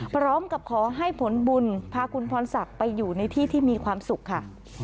พร้อมกับขอให้ผลบุญพาคุณพรศักดิ์ไปอยู่ในที่ที่มีความสุขค่ะ